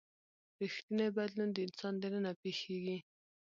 ریښتینی بدلون د انسان دننه پیښیږي.